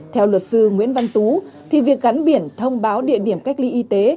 theo luật sư nguyễn văn tú thì việc gắn biển thông báo địa điểm cách ly y tế